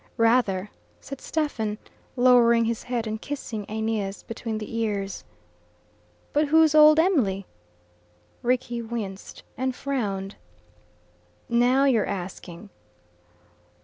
"Rather," said Stephen, lowering his head and kissing Aeneas between the ears. "But who's old Em'ly?" Rickie winced and frowned. "Now you're asking.